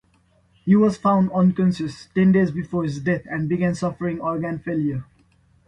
He was found unconscious ten days before his death and began suffering organ failure.